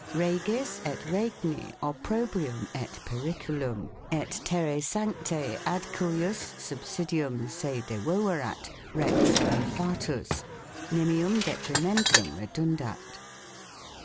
Regis et Regni obprobrium et periculum. et terre sancte ad cuius subsidium se de uouerat Rex prefatus, nimium detrimentum redundat.